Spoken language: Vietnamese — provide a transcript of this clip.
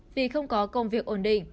vì không có công việc ổn định